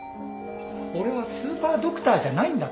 俺はスーパードクターじゃないんだって。